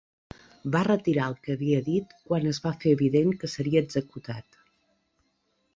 Va retirar el que havia dit quan es va fer evident que seria executat.